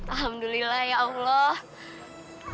alhamdulillah ya allah